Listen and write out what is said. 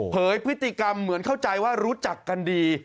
พฤติกรรมเหมือนเข้าใจว่ารู้จักกันดี